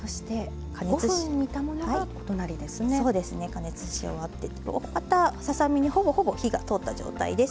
加熱し終わっておおかたささ身にほぼほぼ火が通った状態です。